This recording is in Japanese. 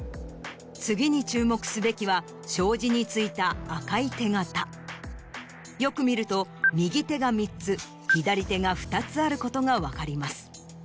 次に注目すべきは障子についた赤い手形よく見ると右手が３つ左手が２つあることが分かります